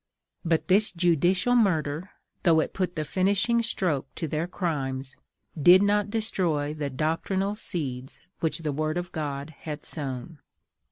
But this judicial murder, though it put the finishing stroke to their crimes, did not destroy the doctrinal seeds which The Word of God had sown.